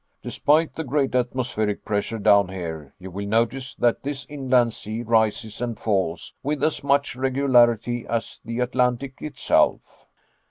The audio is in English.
Despite the great atmospheric pressure down here, you will notice that this inland sea rises and falls with as much regularity as the Atlantic itself."